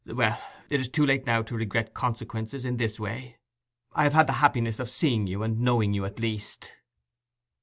Well, it is too late now to regret consequences in this way. I have had the happiness of seeing you and knowing you at least.